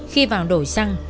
khi vào đồ xăng